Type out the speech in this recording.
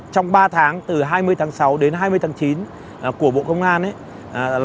trong ba tháng từ hai mươi tháng sáu đến hai mươi tháng chín của bộ công an